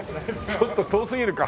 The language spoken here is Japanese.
ちょっと遠すぎるか。